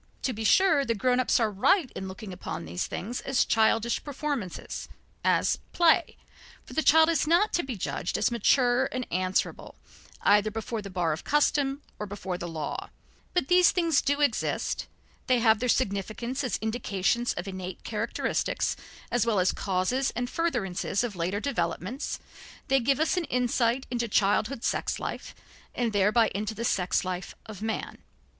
To be sure, the grown ups are right in looking upon these things as "childish performances," as "play," for the child is not to be judged as mature and answerable either before the bar of custom or before the law, but these things do exist, they have their significance as indications of innate characteristics as well as causes and furtherances of later developments, they give us an insight into childhood sex life and thereby into the sex life of man.